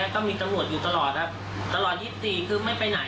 แกก็คือมานอนขอนอนตรงนี้คือเช้าอ่ะ